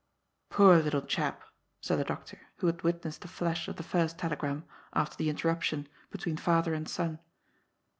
'' Poor little chap !" said the doctor who had witnessed the flash of the first telegram, after the interruption, be tween father and son.